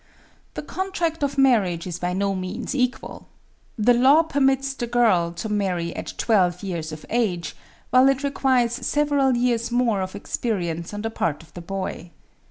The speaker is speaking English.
"The contract of marriage is by no means equal. The law permits the girl to marry at twelve years of age, while it requires several years more of experience on the part of the boy.